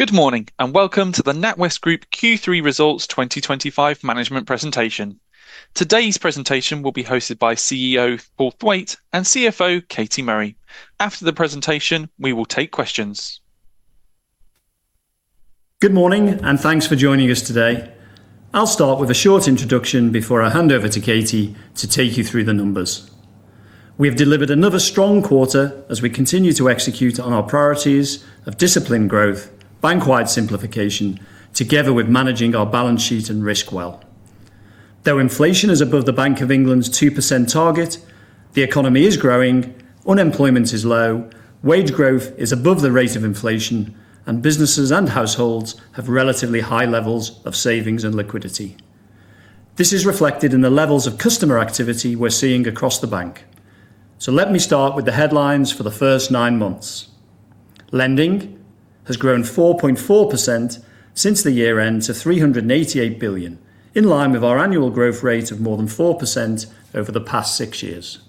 Good morning and welcome to the NatWest Group Q3 Results 2025 Management Presentation. Today's presentation will be hosted by CEO Paul Thwaite and CFO Katie Murray. After the presentation, we will take questions. Good morning and thanks for joining us today. I'll start with a short introduction before I hand over to Katie to take you through the numbers. We have delivered another strong quarter as we continue to execute on our priorities of disciplined growth, bank-wide simplification, together with managing our balance sheet and risk well. Though inflation is above the Bank of England's 2% target, the economy is growing, unemployment is low, wage growth is above the rate of inflation, and businesses and households have relatively high levels of savings and liquidity. This is reflected in the levels of customer activity we're seeing across the bank. Let me start with the headlines for the first nine months. Lending has grown 4.4% since the year end to 388 billion, in line with our annual growth rate of more than 4% over the past six years.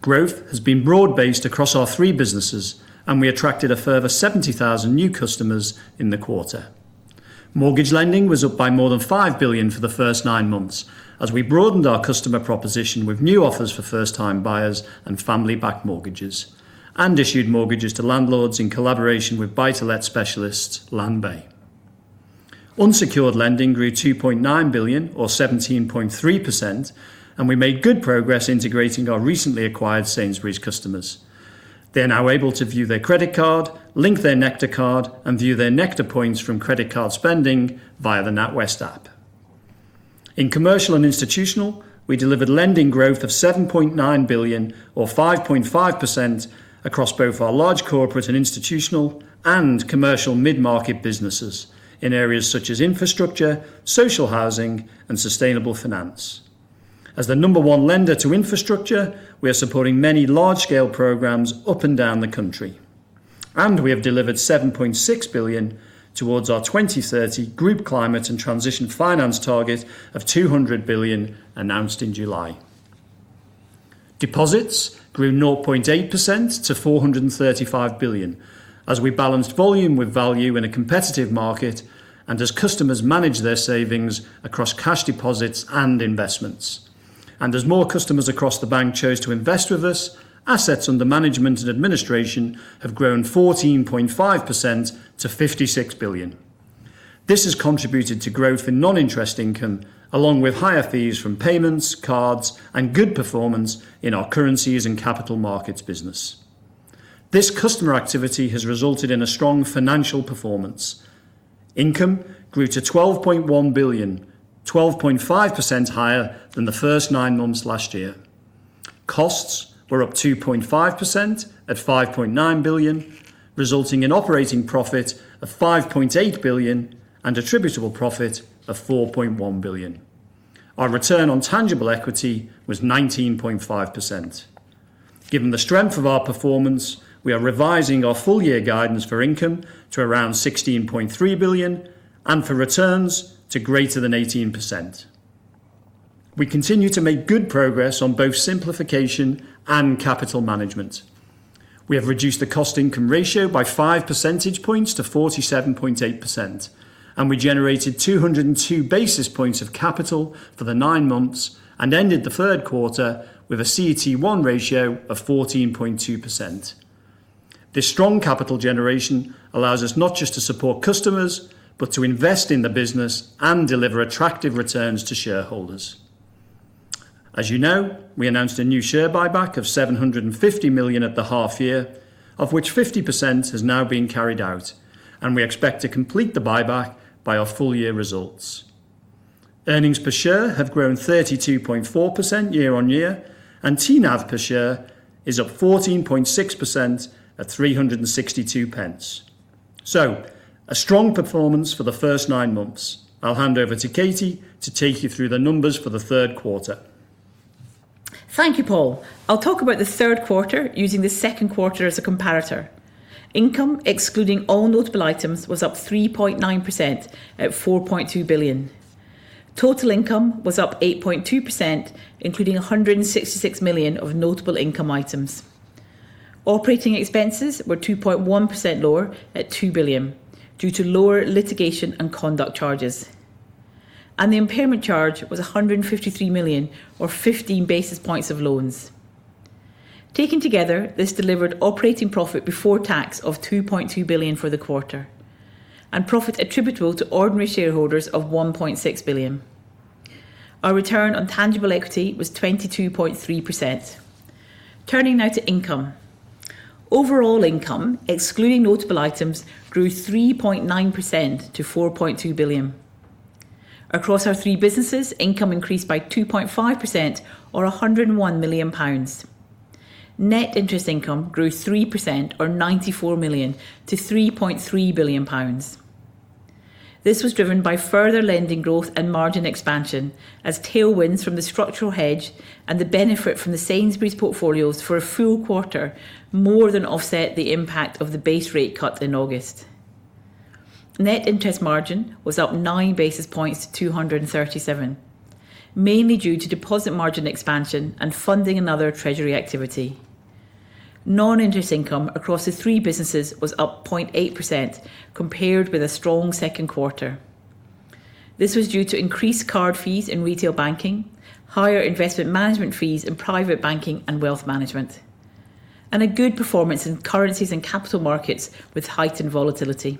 Growth has been broad-based across our three businesses, and we attracted a further 70,000 new customers in the quarter. Mortgage lending was up by more than 5 billion for the first nine months as we broadened our customer proposition with new offers for first-time buyers and family-backed mortgages, and issued mortgages to landlords in collaboration with buy-to-let specialist Landbay. Unsecured lending grew 2.9 billion, or 17.3%, and we made good progress integrating our recently acquired Sainsbury’s customers. They're now able to view their credit card, link their Nectar card, and view their Nectar points from credit card spending via the NatWest app. In commercial and institutional, we delivered lending growth of 7.9 billion, or 5.5%, across both our large corporate and institutional and commercial mid-market businesses, in areas such as infrastructure, social housing, and sustainable finance. As the number one lender to infrastructure, we are supporting many large-scale programs up and down the country. We have delivered 7.6 billion towards our 2030 Group Climate and Transition Finance target of 200 billion announced in July. Deposits grew 0.8% to 435 billion as we balanced volume with value in a competitive market and as customers managed their savings across cash deposits and investments. As more customers across the bank chose to invest with us, assets under management and administration have grown 14.5% to 56 billion. This has contributed to growth in non-interest income, along with higher fees from payments, cards, and good performance in our currencies and capital markets business. This customer activity has resulted in a strong financial performance. Income grew to 12.1 billion, 12.5% higher than the first nine months last year. Costs were up 2.5% at 5.9 billion, resulting in operating profit of 5.8 billion and attributable profit of 4.1 billion. Our return on tangible equity was 19.5%. Given the strength of our performance, we are revising our full-year guidance for income to around 16.3 billion and for returns to greater than 18%. We continue to make good progress on both simplification and capital management. We have reduced the cost-income ratio by five percentage points to 47.8%, and we generated 202 basis points of capital for the nine months and ended the third quarter with a CET1 ratio of 14.2%. This strong capital generation allows us not just to support customers, but to invest in the business and deliver attractive returns to shareholders. As you know, we announced a new share buyback of 750 million at the half-year, of which 50% has now been carried out, and we expect to complete the buyback by our full-year results. Earnings per share have grown 32.4% year-on-year, and TNAV per share is up 14.6% at 362 pence. A strong performance for the first nine months. I'll hand over to Katie to take you through the numbers for the third quarter. Thank you, Paul. I'll talk about the third quarter using the second quarter as a comparator. Income, excluding all notable items, was up 3.9% at 4.2 billion. Total income was up 8.2%, including 166 million of notable income items. Operating expenses were 2.1% lower at 2 billion due to lower litigation and conduct charges. The impairment charge was 153 million, or 15 basis points of loans. Taken together, this delivered operating profit before tax of 2.2 billion for the quarter and profit attributable to ordinary shareholders of 1.6 billion. Our return on tangible equity was 22.3%. Turning now to income. Overall income, excluding notable items, grew 3.9% to 4.2 billion. Across our three businesses, income increased by 2.5% or 101 million pounds. Net interest income grew 3% or 94 million to 3.3 billion pounds. This was driven by further lending growth and margin expansion as tailwinds from the structural hedge and the benefit from the Sainsbury’s portfolios for a full quarter more than offset the impact of the base rate cuts in August. Net interest margin was up 9 basis points to 2.37%, mainly due to deposit margin expansion and funding and other treasury activity. Non-interest income across the three businesses was up 0.8% compared with a strong second quarter. This was due to increased card fees in retail banking, higher investment management fees in private banking and wealth management, and a good performance in currencies and capital markets with heightened volatility.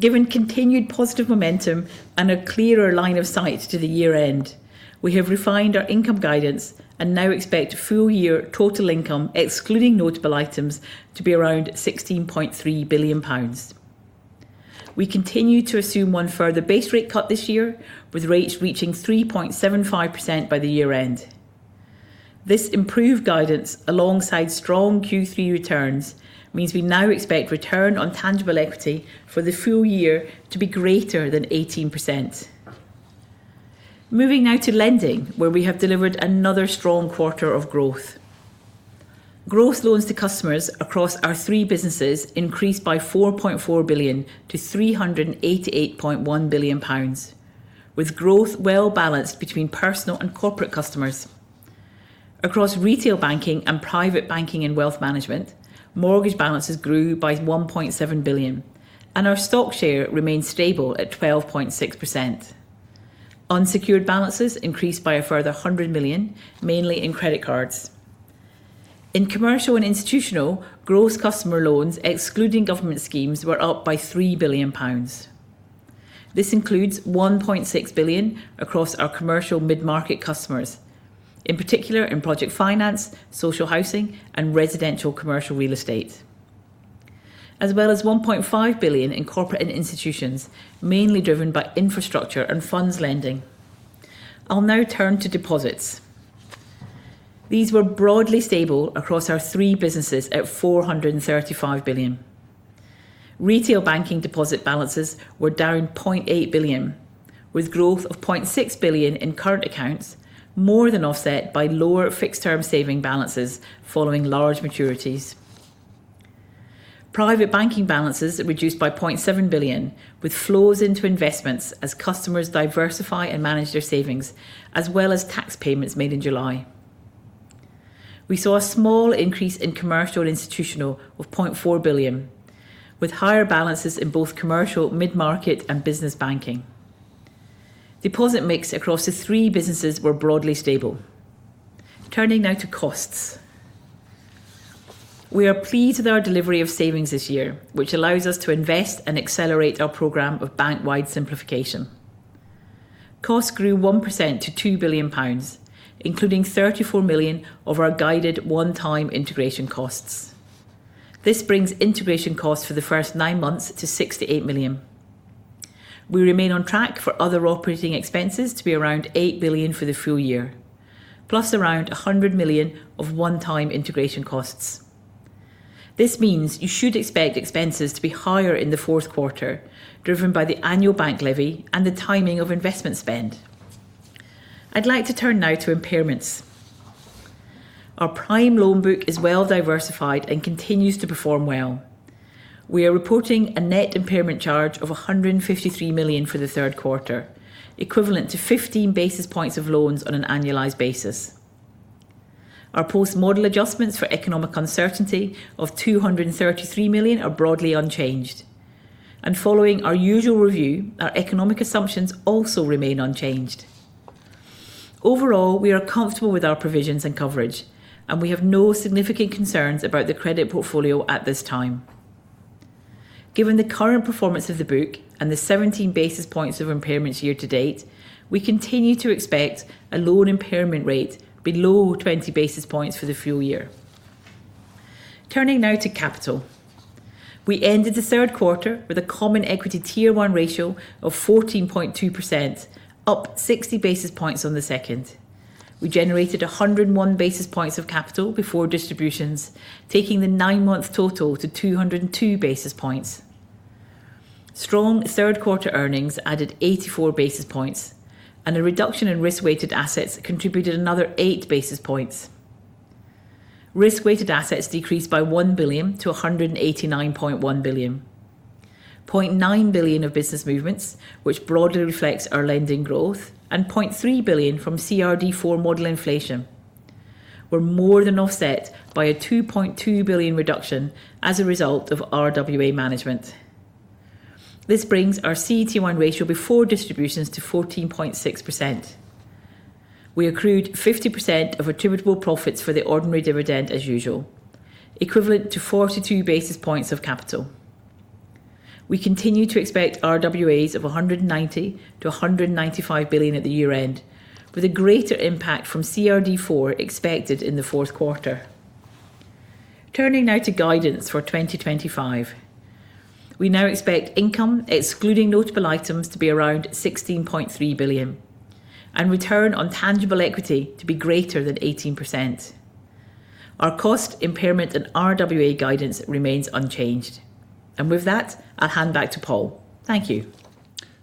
Given continued positive momentum and a clearer line of sight to the year-end, we have refined our income guidance and now expect full-year total income, excluding notable items, to be around 16.3 billion pounds. We continue to assume one further base rate cut this year, with rates reaching 3.75% by the year-end. This improved guidance, alongside strong Q3 returns, means we now expect return on tangible equity for the full year to be greater than 18%. Moving now to lending, where we have delivered another strong quarter of growth. Gross loans to customers across our three businesses increased by 4.4 billion-388.1 billion pounds, with growth well balanced between personal and corporate customers. Across retail banking and private banking and wealth management, mortgage balances grew by 1.7 billion, and our stock share remained stable at 12.6%. Unsecured balances increased by a further 100 million, mainly in credit cards. In commercial and institutional, gross customer loans, excluding government schemes, were up by 3 billion pounds. This includes 1.6 billion across our commercial mid-market customers, in particular in project finance, social housing, and residential commercial real estate, as well as 1.5 billion in corporate and institutions, mainly driven by infrastructure and funds lending. I'll now turn to deposits. These were broadly stable across our three businesses at 435 billion. Retail banking deposit balances were down 0.8 billion, with growth of 0.6 billion in current accounts, more than offset by lower fixed-term saving balances following large maturities. Private banking balances reduced by 0.7 billion, with flows into investments as customers diversify and manage their savings, as well as tax payments made in July. We saw a small increase in commercial and institutional of 0.4 billion, with higher balances in both commercial, mid-market, and business banking. Deposit mix across the three businesses was broadly stable. Turning now to costs. We are pleased with our delivery of savings this year, which allows us to invest and accelerate our program of bank-wide simplification. Costs grew 1% to 2 billion pounds, including 34 million of our guided one-time integration costs. This brings integration costs for the first nine months to 68 million. We remain on track for other operating expenses to be around 8 billion for the full year, plus around 100 million of one-time integration costs. This means you should expect expenses to be higher in the fourth quarter, driven by the annual bank levy and the timing of investment spend. I'd like to turn now to impairments. Our prime loan book is well diversified and continues to perform well. We are reporting a net impairment charge of 153 million for the third quarter, equivalent to 15 basis points of loans on an annualized basis. Our post-model adjustments for economic uncertainty of 233 million are broadly unchanged. Following our usual review, our economic assumptions also remain unchanged. Overall, we are comfortable with our provisions and coverage, and we have no significant concerns about the credit portfolio at this time. Given the current performance of the book and the 17 basis points of impairments year to date, we continue to expect a loan impairment rate below 20 basis points for the full year. Turning now to capital. We ended the third quarter with a CET1 ratio of 14.2%, up 60 basis points on the second. We generated 101 basis points of capital before distributions, taking the nine-month total to 202 basis points. Strong third-quarter earnings added 84 basis points, and a reduction in risk-weighted assets contributed another 8 basis points. Risk-weighted assets decreased by 1 billion to 189.1 billion. 0.9 billion of business movements, which broadly reflects our lending growth, and 0.3 billion from CRD4 model inflation, were more than offset by a 2.2 billion reduction as a result of RWA management. This brings our CET1 ratio before distributions to 14.6%. We accrued 50% of attributable profits for the ordinary dividend as usual, equivalent to 42 basis points of capital. We continue to expect RWAs of 190 billion-195 billion at the year-end, with a greater impact from CRD4 expected in the fourth quarter. Turning now to guidance for 2025, we now expect income, excluding notable items, to be around 16.3 billion, and return on tangible equity to be greater than 18%. Our cost impairment and RWA guidance remains unchanged. With that, I'll hand back to Paul. Thank you.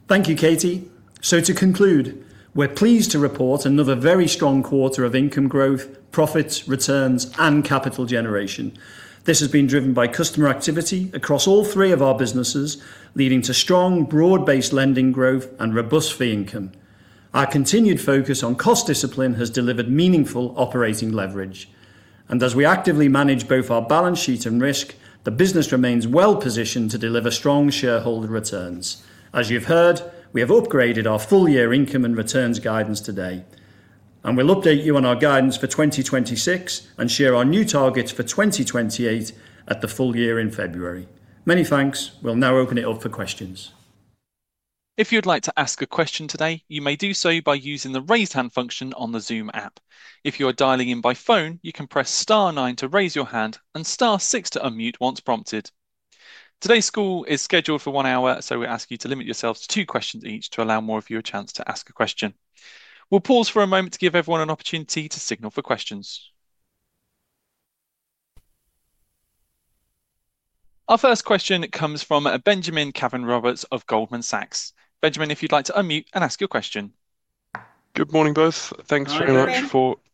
Thank you, Katie. To conclude, we're pleased to report another very strong quarter of income growth, profits, returns, and capital generation. This has been driven by customer activity across all three of our businesses, leading to strong broad-based lending growth and robust fee income. Our continued focus on cost discipline has delivered meaningful operating leverage. As we actively manage both our balance sheet and risk, the business remains well positioned to deliver strong shareholder returns. As you've heard, we have upgraded our full-year income and returns guidance today. We'll update you on our guidance for 2026 and share our new targets for 2028 at the full year in February. Many thanks. We'll now open it up for questions. If you'd like to ask a question today, you may do so by using the raise hand function on the Zoom app. If you are dialing in by phone, you can press star 9 to raise your hand and star 6 to unmute once prompted. Today's call is scheduled for one hour, so we ask you to limit yourselves to two questions each to allow more of you a chance to ask a question. We'll pause for a moment to give everyone an opportunity to signal for questions. Our first question comes from Benjamin Cavan Roberts of Goldman Sachs. Benjamin, if you'd like to unmute and ask your question. Good morning both.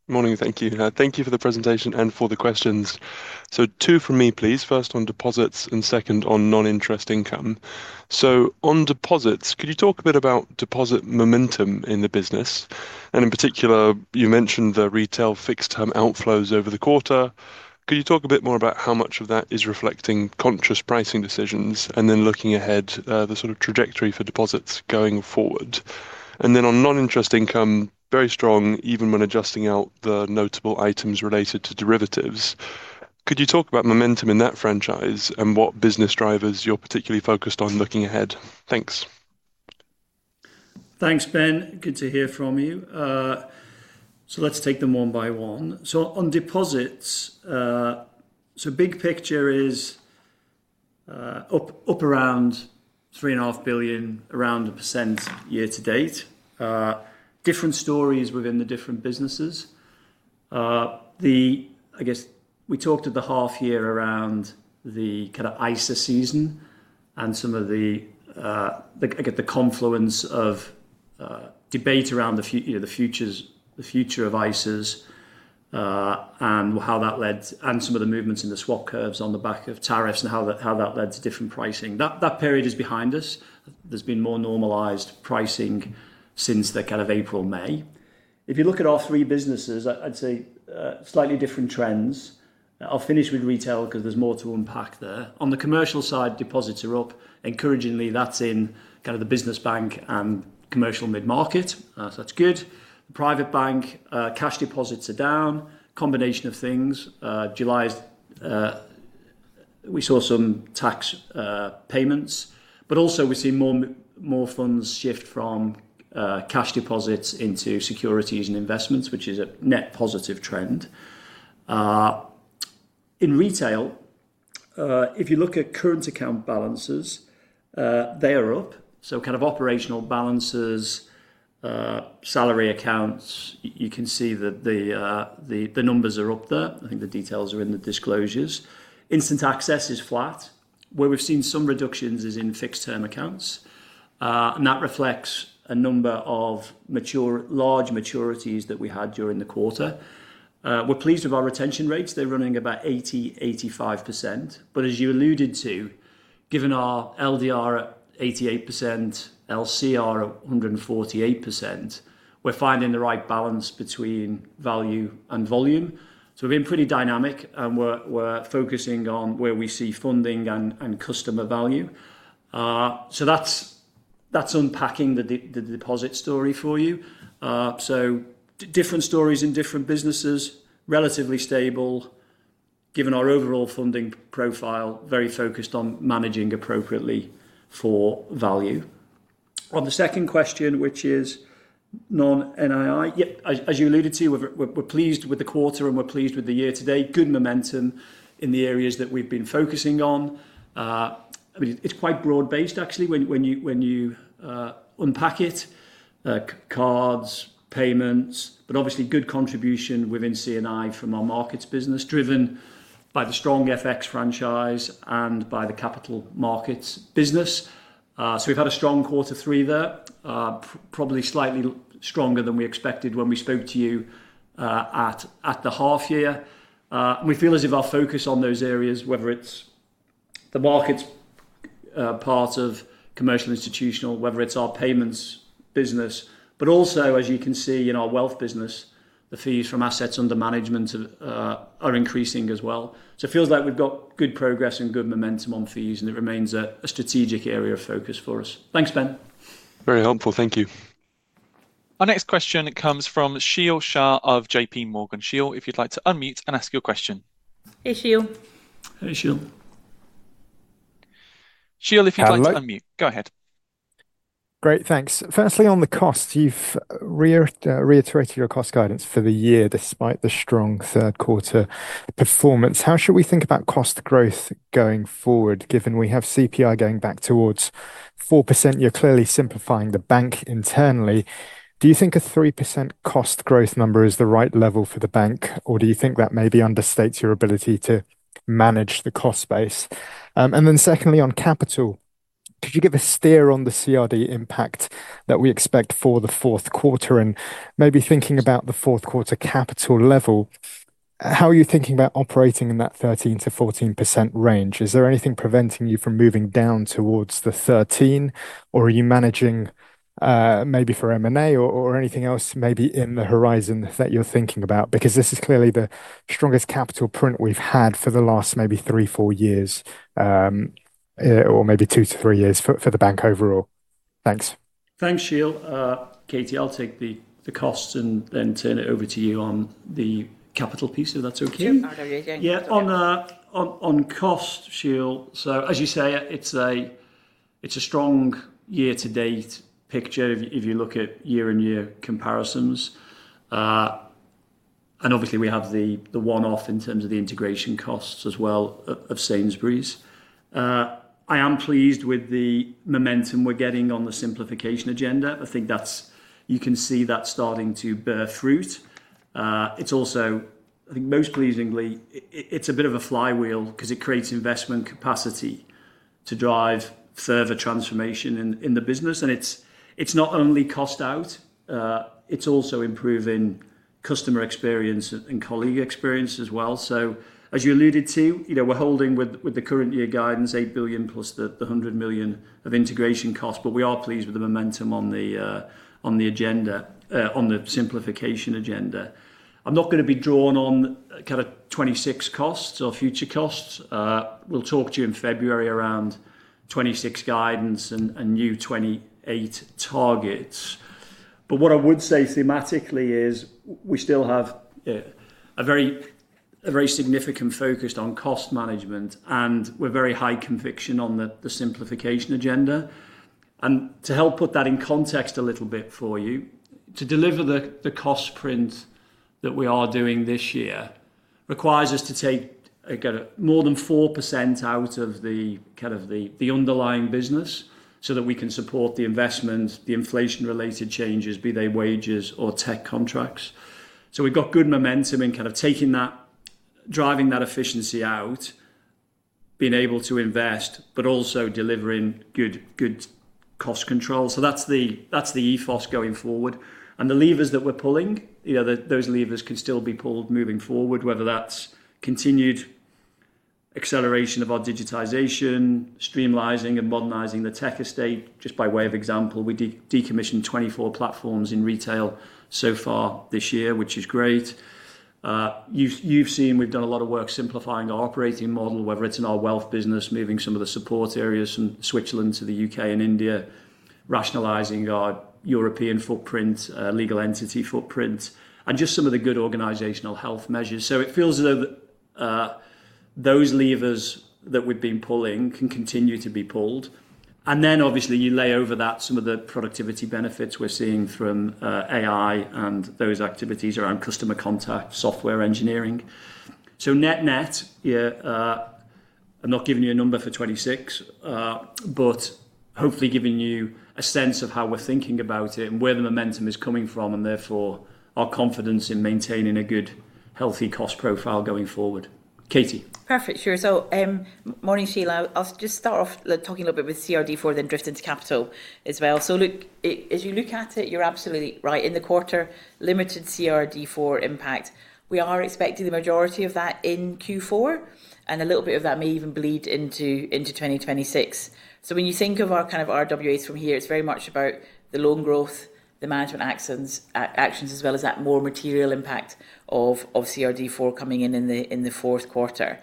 Thank you very much for the presentation and for the questions. Two from me, please. First on deposits and second on non-interest income. On deposits, could you talk a bit about deposit momentum in the business? In particular, you mentioned the retail fixed-term outflows over the quarter. Could you talk a bit more about how much of that is reflecting conscious pricing decisions, and looking ahead, the sort of trajectory for deposits going forward? On non-interest income, very strong, even when adjusting out the notable items related to derivatives. Could you talk about momentum in that franchise and what business drivers you're particularly focused on looking ahead? Thanks. Thanks, Ben. Good to hear from you. Let's take them one by one. On deposits, big picture is up around 3.5 billion, around 1% year to date. Different stories within the different businesses. We talked at the half year around the kind of ISA season and some of the, I guess, the confluence of debate around the future of ISAs and how that led to some of the movements in the swap curves on the back of tariffs and how that led to different pricing. That period is behind us. There has been more normalized pricing since the kind of April-May. If you look at our three businesses, I'd say slightly different trends. I'll finish with retail because there's more to unpack there. On the commercial side, deposits are up. Encouragingly, that's in the business bank and commercial mid-market. That's good. The private bank cash deposits are down. Combination of things. July is... We saw some tax payments, but also we're seeing more funds shift from cash deposits into securities and investments, which is a net positive trend. In retail, if you look at current account balances, they are up. Operational balances, salary accounts, you can see that the numbers are up there. I think the details are in the disclosures. Instant access is flat. Where we've seen some reductions is in fixed-term accounts. That reflects a number of large maturities that we had during the quarter. We're pleased with our retention rates. They're running about 80%-85%. As you alluded to, given our LDR at 88%, LCR at 148%, we're finding the right balance between value and volume. We've been pretty dynamic and we're focusing on where we see funding and customer value. That's unpacking the deposit story for you. Different stories in different businesses, relatively stable, given our overall funding profile, very focused on managing appropriately for value. On the second question, which is non-NII, as you alluded to, we're pleased with the quarter and we're pleased with the year to date. Good momentum in the areas that we've been focusing on. It's quite broad-based, actually, when you unpack it. Cards, payments, but obviously good contribution within CNI from our markets business, driven by the strong FX franchise and by the capital markets business. We've had a strong quarter three there, probably slightly stronger than we expected when we spoke to you at the half year. We feel as if our focus on those areas, whether it's the markets part of commercial institutional, whether it's our payments business, but also, as you can see in our wealth business, the fees from assets under management are increasing as well. It feels like we've got good progress and good momentum on fees, and it remains a strategic area of focus for us. Thanks, Ben. Very helpful. Thank you. Our next question comes from Sheel Shah of J.P. Morgan. Sheel, if you'd like to unmute and ask your question. Hey, Sheel. Hey, Sheel. Sheel, if you'd like to unmute, go ahead. Great, thanks. Firstly, on the cost, you've reiterated your cost guidance for the year, despite the strong third-quarter performance. How should we think about cost growth going forward, given we have CPI going back towards 4%? You're clearly simplifying the bank internally. Do you think a 3% cost growth number is the right level for the bank, or do you think that maybe understates your ability to manage the cost base? Secondly, on capital, could you give a steer on the CRD impact that we expect for the fourth quarter? Maybe thinking about the fourth quarter capital level, how are you thinking about operating in that 13%-14% range? Is there anything preventing you from moving down towards the 13%, or are you managing maybe for M&A or anything else maybe in the horizon that you're thinking about? This is clearly the strongest capital print we've had for the last maybe three, four years, or maybe two to three years for the bank overall. Thanks. Thanks, Sheel. Katie, I'll take the costs and then turn it over to you on the capital piece, if that's okay. Yeah, on cost, Sheel. As you say, it's a strong year-to-date picture if you look at year-on-year comparisons. Obviously, we have the one-off in terms of the integration costs as well of Sainsbury’s. I am pleased with the momentum we're getting on the simplification agenda. I think you can see that starting to bear fruit. It's also, I think most pleasingly, it's a bit of a flywheel because it creates investment capacity to drive further transformation in the business. It's not only cost out, it's also improving customer experience and colleague experience as well. As you alluded to, you know we're holding with the current year guidance, 8 billion+ the 100 million of integration costs, but we are pleased with the momentum on the simplification agenda. I'm not going to be drawn on kind of 2026 costs or future costs. We'll talk to you in February around 2026 guidance and new 2028 targets. What I would say thematically is we still have a very significant focus on cost management, and we're very high conviction on the simplification agenda. To help put that in context a little bit for you, to deliver the cost print that we are doing this year requires us to take more than 4% out of the kind of the underlying business so that we can support the investment, the inflation-related changes, be they wages or tech contracts. We've got good momentum in kind of taking that, driving that efficiency out, being able to invest, but also delivering good cost control. That's the ethos going forward. The levers that we're pulling, you know those levers can still be pulled moving forward, whether that's continued acceleration of our digitization, streamlining and modernizing the tech estate. Just by way of example, we decommissioned 24 platforms in retail so far this year, which is great. You've seen we've done a lot of work simplifying our operating model, whether it's in our wealth business, moving some of the support areas from Switzerland to the UK and India, rationalizing our European footprint, legal entity footprint, and just some of the good organizational health measures. It feels as though those levers that we've been pulling can continue to be pulled. Obviously, you lay over that some of the productivity benefits we're seeing from AI and those activities around customer contact, software engineering. Net-net, I'm not giving you a number for 2026, but hopefully giving you a sense of how we're thinking about it and where the momentum is coming from and therefore our confidence in maintaining a good, healthy cost profile going forward. Katie. Perfect, Sheel. Morning, Sheel. I'll just start off talking a little bit with CRD4, then drift into capital as well. Look, as you look at it, you're absolutely right. In the quarter, limited CRD4 impact. We are expecting the majority of that in Q4, and a little bit of that may even bleed into 2026. When you think of our kind of RWAs from here, it's very much about the loan growth, the management actions, as well as that more material impact of CRD4 coming in in the fourth quarter.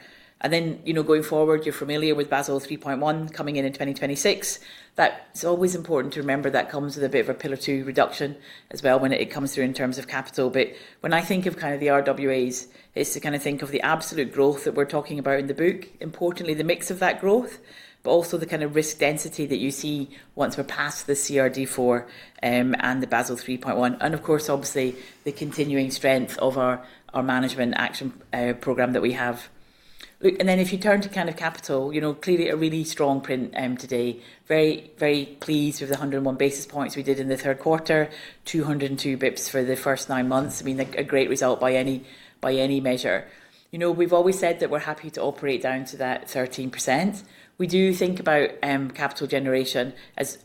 You know, going forward, you're familiar with Basel 3.1 coming in in 2026. That's always important to remember. That comes with a bit of a pillar two reduction as well when it comes through in terms of capital. When I think of kind of the RWAs, it's to kind of think of the absolute growth that we're talking about in the book. Importantly, the mix of that growth, but also the kind of risk density that you see once we're past the CRD4 and the Basel 3.1. Of course, obviously, the continuing strength of our management action program that we have. If you turn to kind of capital, clearly a really strong print today. Very, very pleased with the 101 bps we did in the third quarter, 202 bps for the first nine months. I mean, a great result by any measure. We've always said that we're happy to operate down to that 13%. We do think about capital generation,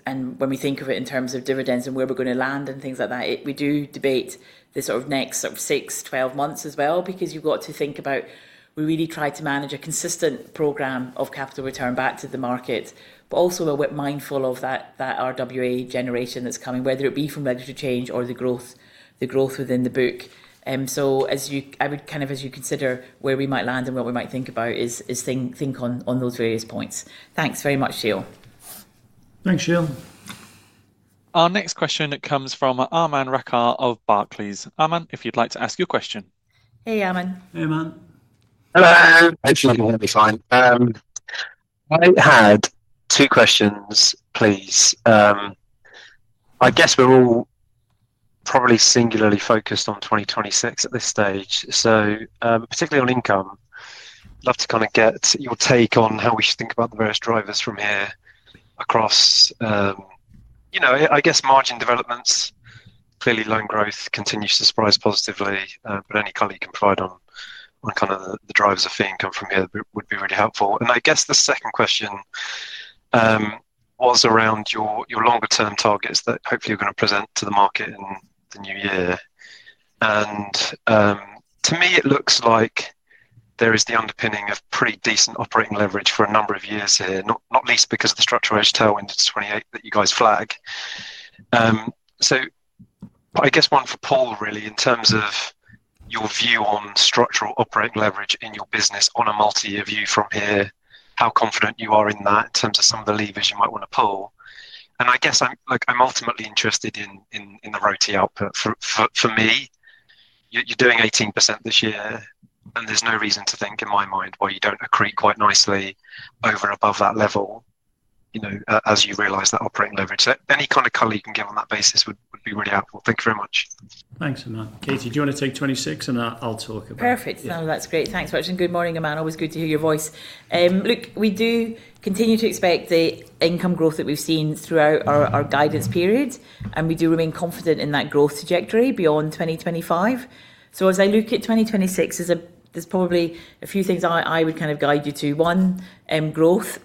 and when we think of it in terms of dividends and where we're going to land and things like that. We do debate the sort of next sort of six, 12 months as well, because you've got to think about we really try to manage a consistent program of capital return back to the market, but also we're mindful of that RWA generation that's coming, whether it be from ready to change or the growth within the book. As you consider where we might land and what we might think about, think on those various points. Thanks very much, Sheel. Thanks, Sheel. Our next question comes from Arman Rakhar of Barclays. Arman, if you'd like to ask your question. Hey, Arman. Hey, Arman. Hello. I hope you can hear me fine. I had two questions, please. I guess we're all probably singularly focused on 2026 at this stage, particularly on income. I'd love to get your take on how we should think about the various drivers from here across, you know, margin developments. Clearly, loan growth continues to surprise positively, but any color you can provide on the drivers of fee income from here would be really helpful. The second question was around your longer-term targets that hopefully you're going to present to the market in the new year. To me, it looks like there is the underpinning of pretty decent operating leverage for a number of years here, not least because of the structural edge tailwinds of 2028 that you guys flag. I guess one for Paul, really, in terms of your view on structural operating leverage in your business on a multi-year view from here, how confident you are in that in terms of some of the levers you might want to pull. I'm ultimately interested in the royalty output. For me, you're doing 18% this year, and there's no reason to think in my mind why you don't accrete quite nicely over and above that level as you realize that operating leverage. Any color you can give on that basis would be really helpful. Thank you very much. Thanks, Arman. Katie, do you want to take 26 and I'll talk about it? Perfect. No, that's great. Thanks for watching. Good morning, Arman. Always good to hear your voice. Look, we do continue to expect the income growth that we've seen throughout our guidance period, and we do remain confident in that growth trajectory beyond 2025. As I look at 2026, there's probably a few things I would kind of guide you to. One, growth.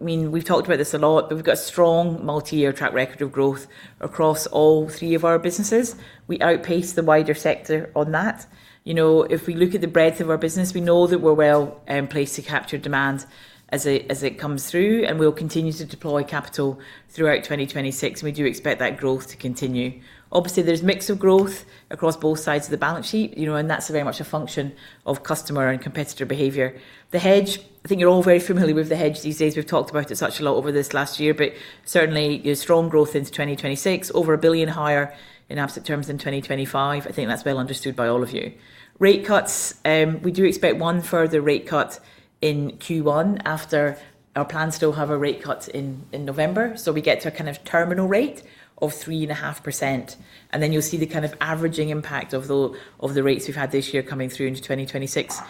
I mean, we've talked about this a lot, but we've got a strong multi-year track record of growth across all three of our businesses. We outpace the wider sector on that. If we look at the breadth of our business, we know that we're well placed to capture demand as it comes through, and we'll continue to deploy capital throughout 2026, and we do expect that growth to continue. Obviously, there's a mix of growth across both sides of the balance sheet, and that's very much a function of customer and competitor behavior. The hedge, I think you're all very familiar with the hedge these days. We've talked about it such a lot over this last year, but certainly, strong growth into 2026, over 1 billion higher in absolute terms in 2025. I think that's well understood by all of you. Rate cuts, we do expect one further rate cut in Q1 after our plans still have a rate cut in November. We get to a kind of terminal rate of 3.5%. You'll see the kind of averaging impact of the rates we've had this year coming through into 2026.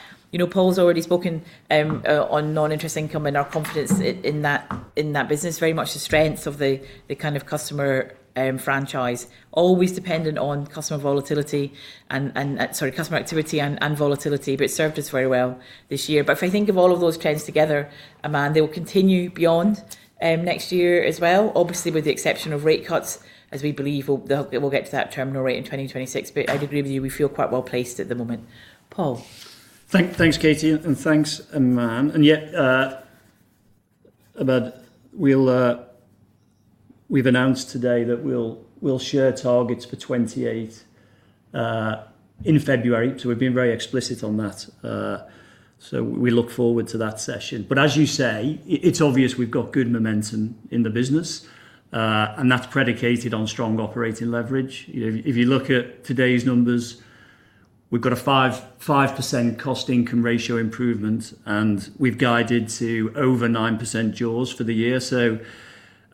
Paul's already spoken on non-interest income and our confidence in that business, very much the strength of the kind of customer franchise, always dependent on customer activity and volatility, but it's served us very well this year. If I think of all of those trends together, Arman, they will continue beyond next year as well, obviously with the exception of rate cuts, as we believe we'll get to that terminal rate in 2026. I'd agree with you, we feel quite well placed at the moment. Paul. Thanks, Katie, and thanks, Amman. We've announced today that we'll share targets for 2028 in February. We've been very explicit on that. We look forward to that session. As you say, it's obvious we've got good momentum in the business, and that's predicated on strong operating leverage. If you look at today's numbers, we've got a 5% cost-income ratio improvement, and we've guided to over 9% jaws for the year.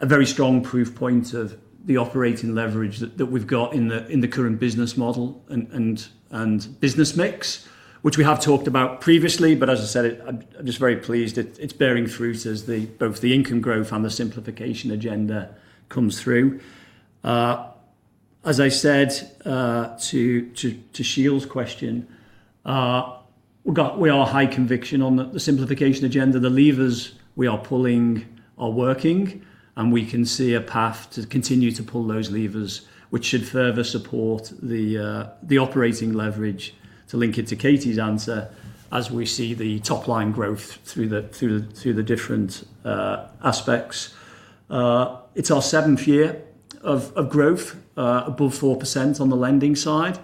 A very strong proof point of the operating leverage that we've got in the current business model and business mix, which we have talked about previously. I'm just very pleased it's bearing fruit as both the income growth and the simplification agenda comes through. To Sheel's question, we are high conviction on the simplification agenda. The levers we are pulling are working, and we can see a path to continue to pull those levers, which should further support the operating leverage to link it to Katie's answer as we see the top-line growth through the different aspects. It's our seventh year of growth above 4% on the lending side.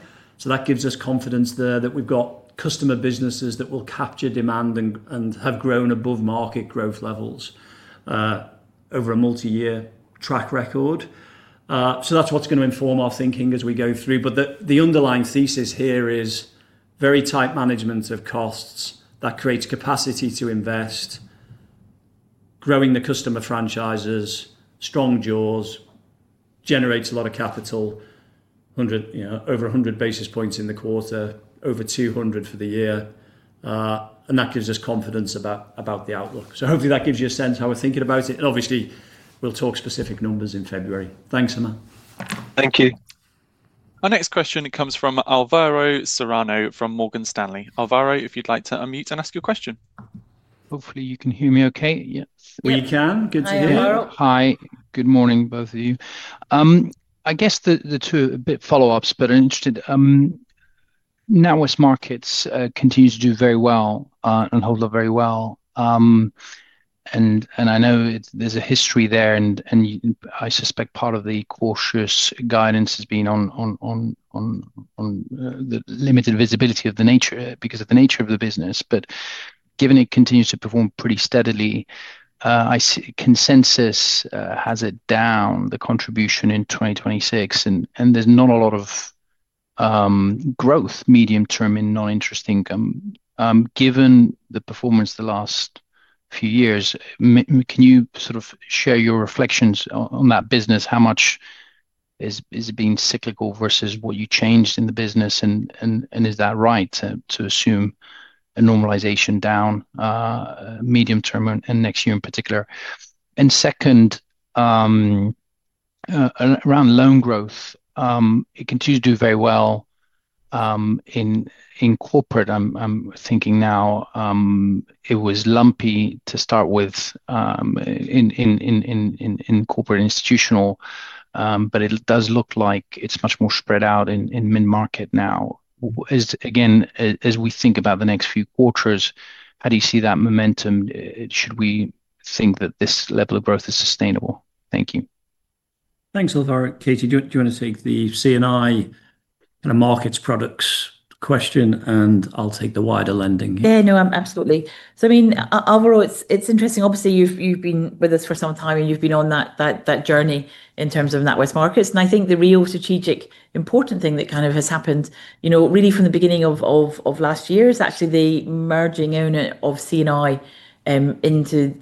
That gives us confidence there that we've got customer businesses that will capture demand and have grown above market growth levels over a multi-year track record. That's what's going to inform our thinking as we go through. The underlying thesis here is very tight management of costs that creates capacity to invest, growing the customer franchises, strong jaws, generates a lot of capital, over 100 basis points in the quarter, over 200 for the year. That gives us confidence about the outlook. Hopefully that gives you a sense of how we're thinking about it. Obviously, we'll talk specific numbers in February. Thanks, Amman. Thank you. Our next question comes from Alvaro Serrano from Morgan Stanley. Alvaro, if you'd like to unmute and ask your question. Hopefully, you can hear me okay. We can. Good to hear. Alvaro. Hi. Good morning, both of you. I guess the two are a bit follow-ups, but I'm interested. NatWest markets continue to do very well and hold up very well. I know there's a history there, and I suspect part of the cautious guidance has been on the limited visibility because of the nature of the business. Given it continues to perform pretty steadily, I see consensus has it down, the contribution in 2026, and there's not a lot of growth medium-term in non-interest income. Given the performance the last few years, can you sort of share your reflections on that business? How much is it being cyclical versus what you changed in the business, and is that right to assume a normalization down medium-term and next year in particular? Second, around loan growth, it continues to do very well in corporate. I'm thinking now it was lumpy to start with in corporate institutional, but it does look like it's much more spread out in mid-market now. As we think about the next few quarters, how do you see that momentum? Should we think that this level of growth is sustainable? Thank you. Thanks, Alvaro. Katie, do you want to take the CNI kind of markets products question, and I'll take the wider lending? Yeah, no, absolutely. I mean, Alvaro, it's interesting. Obviously, you've been with us for some time, and you've been on that journey in terms of NatWest markets. I think the real strategic important thing that has happened, really from the beginning of last year, is actually the merging of CNI into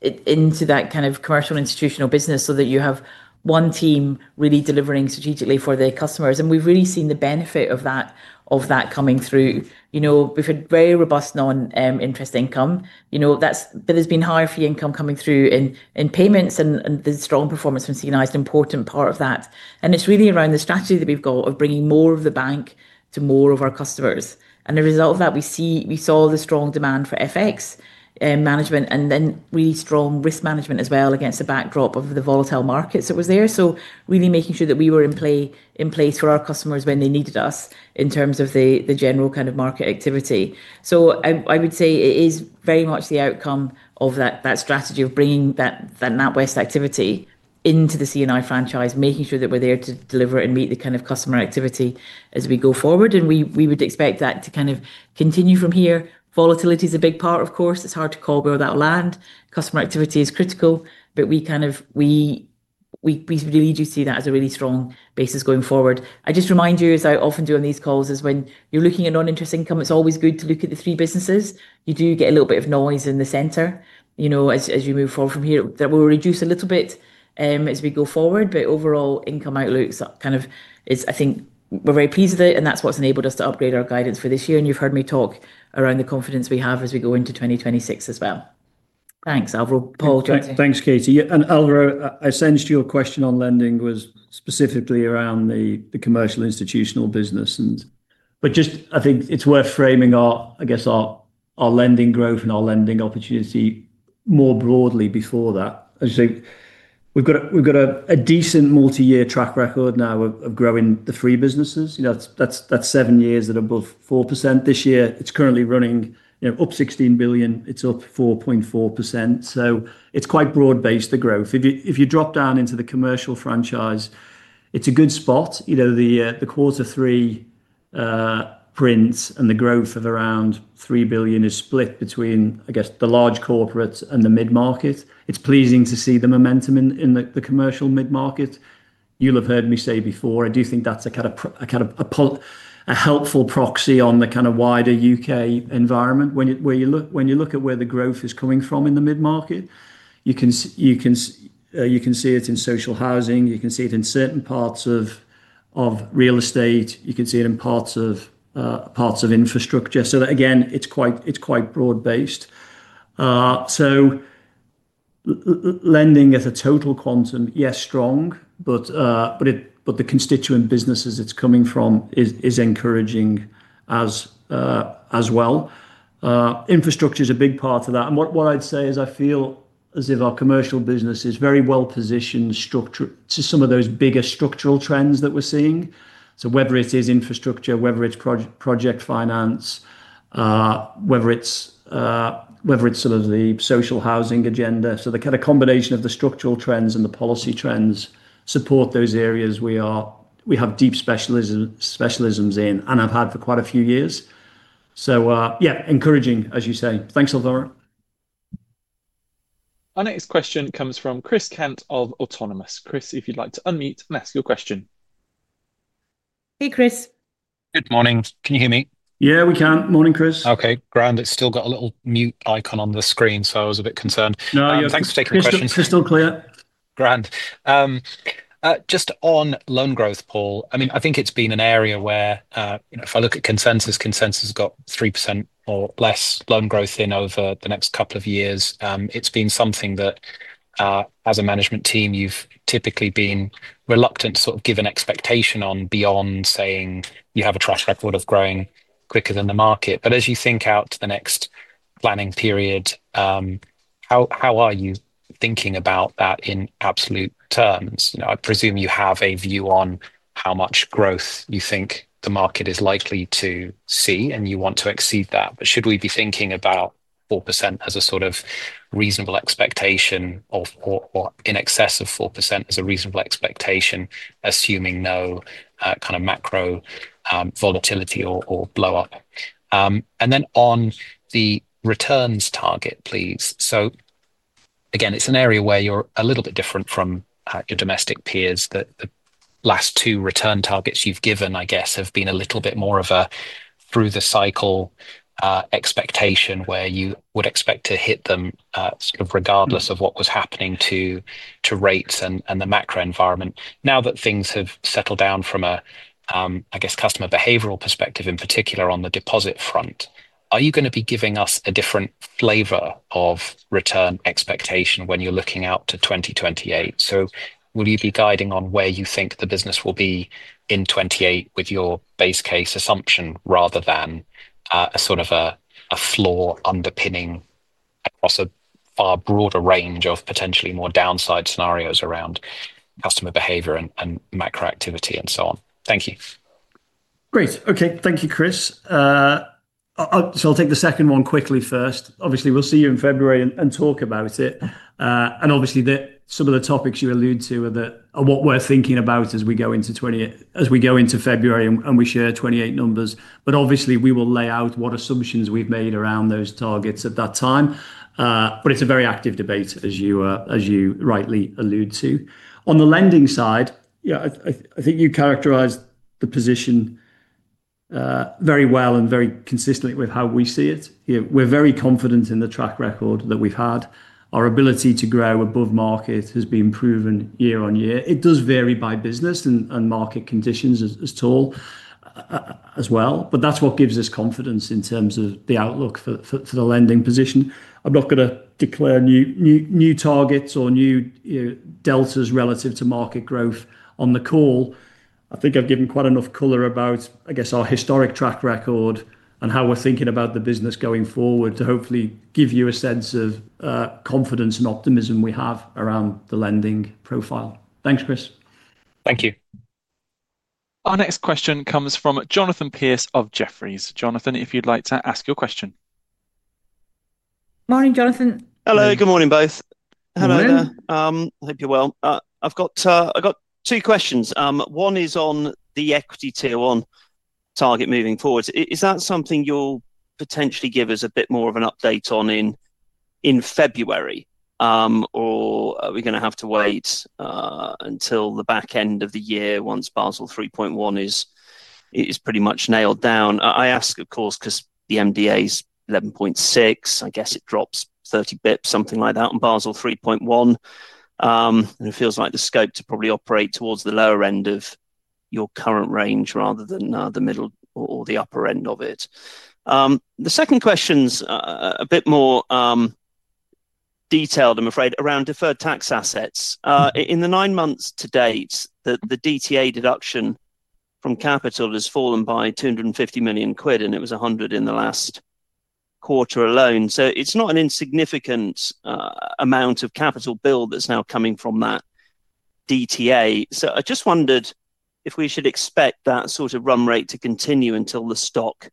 that commercial and institutional business so that you have one team really delivering strategically for their customers. We've really seen the benefit of that coming through. We've had very robust non-interest income. That's been higher for the income coming through in payments, and the strong performance from CNI is an important part of that. It's really around the strategy that we've got of bringing more of the bank to more of our customers. As a result of that, we saw the strong demand for FX management and then really strong risk management as well against the backdrop of the volatile markets that were there. Really making sure that we were in place for our customers when they needed us in terms of the general market activity. I would say it is very much the outcome of that strategy of bringing that NatWest activity into the CNI franchise, making sure that we're there to deliver and meet the customer activity as we go forward. We would expect that to continue from here. Volatility is a big part, of course. It's hard to cobble that land. Customer activity is critical, but we really do see that as a really strong basis going forward. I just remind you, as I often do on these calls, when you're looking at non-interest income, it's always good to look at the three businesses. You do get a little bit of noise in the center as you move forward from here. That will reduce a little bit as we go forward, but overall income outlook is, I think, we're very pleased with it, and that's what's enabled us to upgrade our guidance for this year. You've heard me talk around the confidence we have as we go into 2026 as well. Thanks, Alvaro. Paul, thank you. Thanks, Katie. Alvaro, I sensed your question on lending was specifically around the commercial institutional business. I think it's worth framing our lending growth and our lending opportunity more broadly before that. I think we've got a decent multi-year track record now of growing the three businesses. That's seven years at above 4% this year. It's currently running up 16 billion. It's up 4.4%. It's quite broad-based, the growth. If you drop down into the commercial franchise, it's a good spot. The quarter three prints and the growth of around 3 billion is split between the large corporates and the mid-market. It's pleasing to see the momentum in the commercial mid-market. You'll have heard me say before, I do think that's a kind of a helpful proxy on the wider UK environment. When you look at where the growth is coming from in the mid-market, you can see it in social housing. You can see it in certain parts of real estate. You can see it in parts of infrastructure. It's quite broad-based. Lending at a total quantum, yes, strong, but the constituent businesses it's coming from is encouraging as well. Infrastructure is a big part of that. What I'd say is I feel as if our commercial business is very well positioned to some of those bigger structural trends that we're seeing. Whether it is infrastructure, project finance, or the social housing agenda, the combination of the structural trends and the policy trends support those areas we have deep specialisms in and have had for quite a few years. Encouraging, as you say. Thanks, Alvaro. Our next question comes from Chris Kent of Autonomous. Chris, if you'd like to unmute and ask your question. Hey, Chris. Good morning. Can you hear me? Yeah, we can. Morning, Chris. Okay, it's still got a little mute icon on the screen, so I was a bit concerned. No, you're okay. Thanks for taking the question. Thanks, Chris. Crystal clear. Grand. Just on loan growth, Paul. I mean, I think it's been an area where, you know, if I look at consensus, consensus has got 3% or less loan growth in over the next couple of years. It's been something that as a management team, you've typically been reluctant to sort of give an expectation on beyond saying you have a track record of growing quicker than the market. As you think out to the next planning period, how are you thinking about that in absolute terms? I presume you have a view on how much growth you think the market is likely to see, and you want to exceed that. Should we be thinking about 4% as a sort of reasonable expectation or in excess of 4% as a reasonable expectation, assuming no kind of macro volatility or blow-up? On the returns target, please. It's an area where you're a little bit different from your domestic peers. The last two return targets you've given, I guess, have been a little bit more of a through-the-cycle expectation where you would expect to hit them sort of regardless of what was happening to rates and the macro environment. Now that things have settled down from a, I guess, customer behavioral perspective, in particular on the deposit front, are you going to be giving us a different flavor of return expectation when you're looking out to 2028? Will you be guiding on where you think the business will be in 2028 with your base case assumption rather than a sort of a floor underpinning across a far broader range of potentially more downside scenarios around customer behavior and macro activity and so on? Thank you. Great. Okay. Thank you, Chris. I'll take the second one quickly first. Obviously, we'll see you in February and talk about it. Obviously, some of the topics you allude to are what we're thinking about as we go into February and we share 2028 numbers. We will lay out what assumptions we've made around those targets at that time. It's a very active debate, as you rightly allude to. On the lending side, I think you characterized the position very well and very consistently with how we see it. We're very confident in the track record that we've had. Our ability to grow above market has been proven year-on-year. It does vary by business and market conditions as well. That's what gives us confidence in terms of the outlook for the lending position. I'm not going to declare new targets or new deltas relative to market growth on the call. I think I've given quite enough color about our historic track record and how we're thinking about the business going forward to hopefully give you a sense of confidence and optimism we have around the lending profile. Thanks, Chris. Thank you. Our next question comes from Jonathan Pierce of Jefferies. Jonathan, if you'd like to ask your question. Morning, Jonathan. Hello. Good morning, both. Hello. I hope you're well. I've got two questions. One is on the CET1 ratio target moving forward. Is that something you'll potentially give us a bit more of an update on in February? Are we going to have to wait until the back end of the year once Basel 3.1 is pretty much nailed down? I ask, of course, because the MDA is 11.6%. I guess it drops 30 bps, something like that, on Basel 3.1. It feels like the scope to probably operate towards the lower end of your current range rather than the middle or the upper end of it. The second question is a bit more detailed, I'm afraid, around deferred tax assets. In the nine months to date, the DTA deduction from capital has fallen by 250 million quid, and it was 100 million in the last quarter alone. It's not an insignificant amount of capital build that's now coming from that DTA. I just wondered if we should expect that sort of run rate to continue until the stock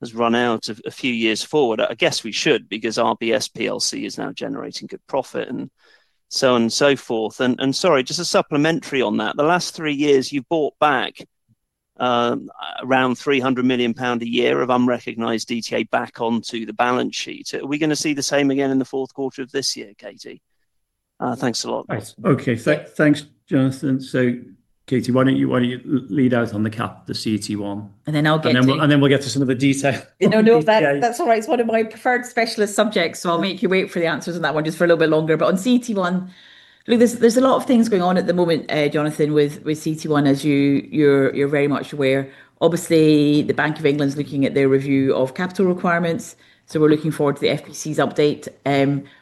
has run out a few years forward. I guess we should because RBS PLC is now generating good profit and so on and so forth. Sorry, just a supplementary on that. The last three years, you bought back around 300 million pound a year of unrecognized DTA back onto the balance sheet. Are we going to see the same again in the fourth quarter of this year, Katie? Thanks a lot. Okay, thanks, Jonathan. Katie, why don't you lead out on the CET1? I'll get to... We will get to some of the details. No, no, that's all right. It's one of my preferred specialist subjects. I'll make you wait for the answers on that one just for a little bit longer. On CET1, look, there's a lot of things going on at the moment, Jonathan, with CET1, as you're very much aware. Obviously, the Bank of England is looking at their review of capital requirements. We're looking forward to the FPC's update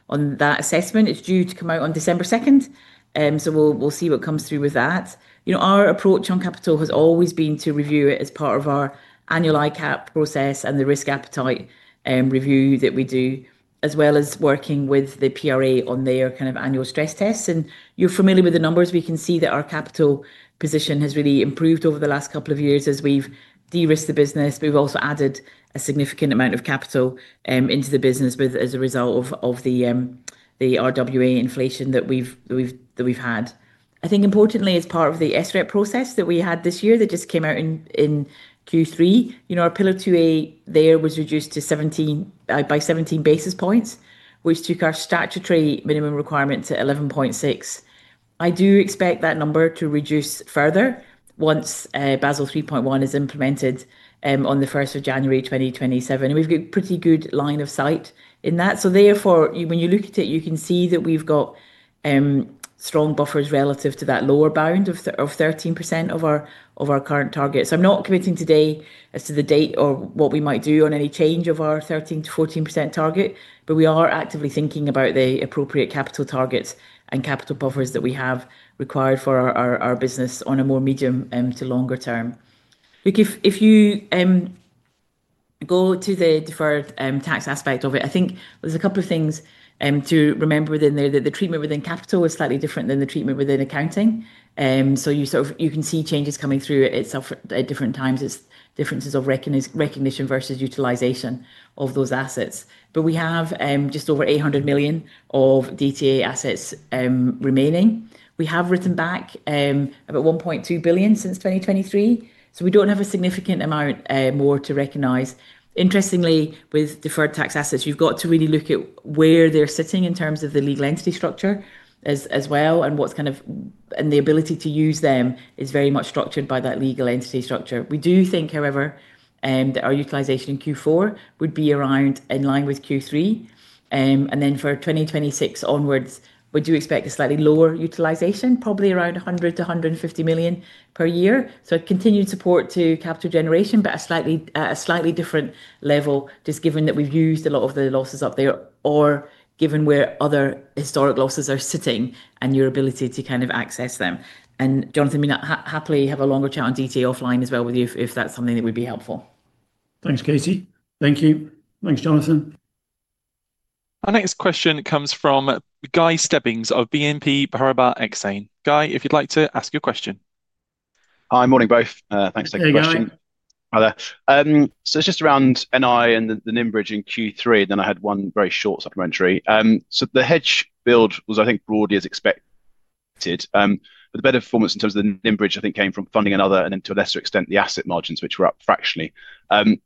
on that assessment. It's due to come out on December 2nd. We'll see what comes through with that. Our approach on capital has always been to review it as part of our annual ICAAP process and the risk appetite review that we do, as well as working with the PRA on their kind of annual stress tests. You're familiar with the numbers. We can see that our capital position has really improved over the last couple of years as we've de-risked the business, but we've also added a significant amount of capital into the business as a result of the RWA inflation that we've had. Importantly, as part of the SREP process that we had this year that just came out in Q3, our Pillar 2A there was reduced by 17 basis points, which took our statutory minimum requirement to 11.6%. I do expect that number to reduce further once Basel 3.1 is implemented on January 1, 2027. We've got a pretty good line of sight in that. Therefore, when you look at it, you can see that we've got strong buffers relative to that lower bound of 13% of our current target. I'm not committing today as to the date or what we might do on any change of our 13% to 14% target, but we are actively thinking about the appropriate capital targets and capital buffers that we have required for our business on a more medium to longer term. If you go to the deferred tax aspect of it, I think there's a couple of things to remember within there that the treatment within capital is slightly different than the treatment within accounting. You can see changes coming through itself at different times. It's differences of recognition versus utilization of those assets. We have just over 800 million of DTA assets remaining. We have written back about 1.2 billion since 2023. We don't have a significant amount more to recognize. Interestingly, with deferred tax assets, you've got to really look at where they're sitting in terms of the legal entity structure as well. The ability to use them is very much structured by that legal entity structure. We do think, however, that our utilization in Q4 would be around in line with Q3. For 2026 onwards, we do expect a slightly lower utilization, probably around 100 million to 150 million per year. Continued support to capital generation, but a slightly different level, just given that we've used a lot of the losses up there or given where other historic losses are sitting and your ability to access them. Jonathan, I mean, happily have a longer chat on DTA offline as well with you if that's something that would be helpful. Thanks, Katie. Thank you. Thanks, Jonathan. Our next question comes from Guy Stebbings of BNP Paribas Exane. Guy, if you'd like to ask your question. Hi, morning both. Thanks for taking the question. Hi there. It's just around NI and the NIM bridge in Q3. I had one very short supplementary. The hedge build was, I think, broadly as expected. The better performance in terms of the NIM bridge, I think, came from funding another and, to a lesser extent, the asset margins, which were up fractionally.